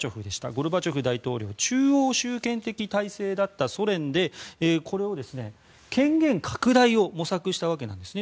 ゴルバチョフ大統領は中央集権的体制だったソ連で、これを権限拡大を模索したわけなんですね。